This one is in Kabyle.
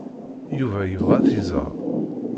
Yuba yebɣa ad t-iẓer.